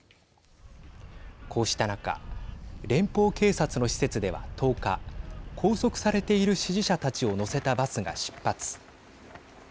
こうした中連邦警察の施設では１０日拘束されている支持者たちを乗せたバスが出発。